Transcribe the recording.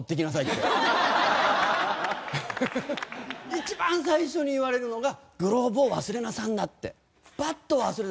一番最初に言われるのがグローブを忘れなさんなって。